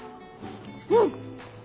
うん！